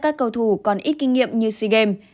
các cầu thủ còn ít kinh nghiệm như sea games